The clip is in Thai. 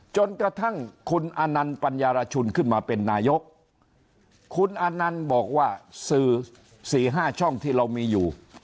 จนกระทั่งคุณอนันต์ปัญญารชุนขึ้นมาเป็นนายกคุณอนันต์บอกว่าสื่อสี่ห้าช่องที่เรามีอยู่